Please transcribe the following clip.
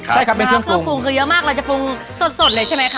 ใช่ครับเป็นเครื่องปรุงคือเยอะมากเราจะปรุงสดเลยใช่ไหมคะ